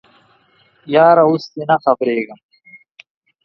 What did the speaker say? یاره اوس تې نه خبریږم